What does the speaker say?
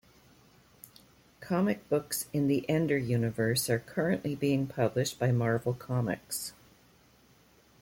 Comic books in the Ender Universe are currently being published by Marvel Comics.